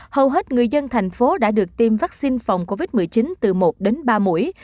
hầu hết người dân thành phố đã được tiêm vaccine phòng covid một mươi chín từ một đến ba mũi